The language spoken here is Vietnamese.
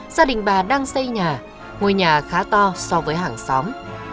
gia đình bà đang xây nhà ngôi nhà khá to so với hàng xóm